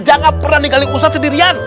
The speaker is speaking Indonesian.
jangan pernah ninggalin ustadz sendirian